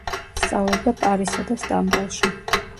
სწავლობდა პარიზსა და სტამბოლში.